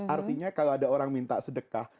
artinya kalau ada orang minta sedekah